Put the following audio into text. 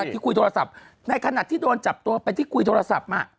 ที่คุยโทรศัพท์ในขณะที่โดนจับตัวไปที่คุยโทรศัพท์มา